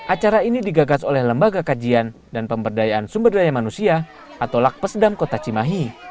acara ini digagas oleh lembaga kajian dan pemberdayaan sumber daya manusia atau lak pesedam kota cimahi